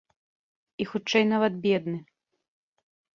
І хутчэй нават бедны.